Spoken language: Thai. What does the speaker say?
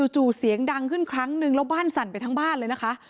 จู่เสียงดังขึ้นครั้งนึงแล้วบ้านสั่นไปทั้งบ้านเลยนะคะ